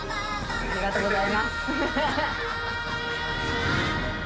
ありがとうございます。